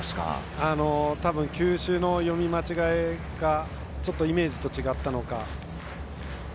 たぶん球種の読み間違いかちょっとイメージが違ったのか。